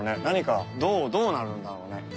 何かどうどうなるんだろうね？